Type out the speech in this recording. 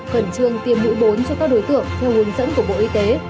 khẩn trương tiêm mũi bốn cho các đối tượng theo hướng dẫn của bộ y tế